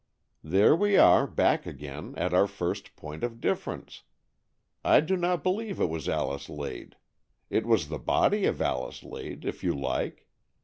" There we are back again at our first point of difference. I do not believe it was Alice Lade. It was the body of Alice Lade, if you like.